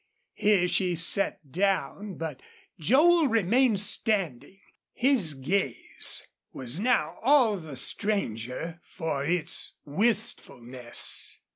Here she sat down, but Joel remained standing. His gaze was now all the stranger for its wistfulness.